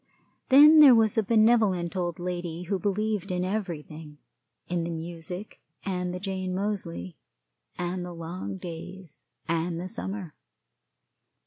Then there was a benevolent old lady who believed in everything in the music, and the Jane Moseley, and the long days, and the summer.